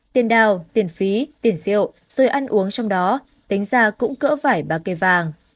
tiền đào tiền phí tiền rượu rồi ăn uống trong đó tính ra cũng cỡ vải ba cây vàng